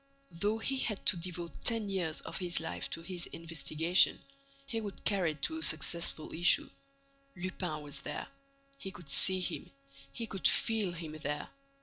Though he had to devote ten years of his life to this investigation, he would carry it to a successful issue. Lupin was there. He could see him, he could feel him there.